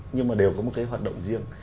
nhưng mà đều có một cái hoạt động riêng